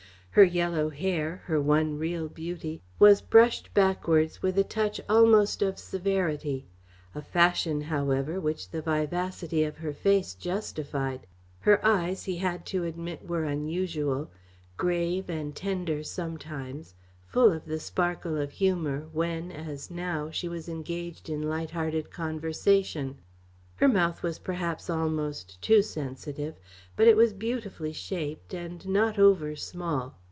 Her yellow hair, her one real beauty, was brushed backwards with a touch almost of severity; a fashion, however, which the vivacity of her face justified. Her eyes, he had to admit, were unusual; grave and tender sometimes, full of the sparkle of humour when, as now, she was engaged in light hearted conversation. Her mouth was perhaps almost too sensitive, but it was beautifully shaped, and not over small.